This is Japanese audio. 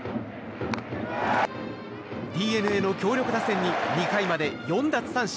ＤｅＮＡの強力打線に２回までに４奪三振。